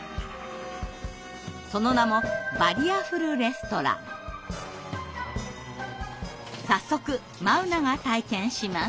その名も早速眞生が体験します。